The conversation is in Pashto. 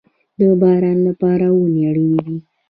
د باران لپاره ونې اړین دي